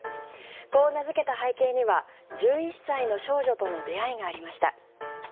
こう名付けた背景には１１歳の少女との出会いがありました。